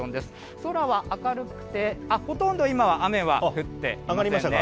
空は明るくて、ほとんど今は雨は降っていませんね。